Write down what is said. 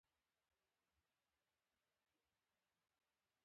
یعني پر جاپلاک یې له ګټلو څخه وروسته تر لسو لیرو کمې ایښي وې.